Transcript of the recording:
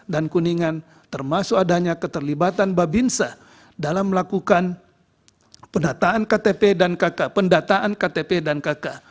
dan kuningan termasuk adanya keterlibatan babinsa dalam melakukan pendataan ktp dan kk